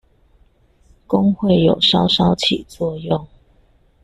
工會有稍稍起作用